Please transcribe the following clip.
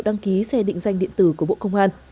đăng ký xe định danh điện tử của bộ công an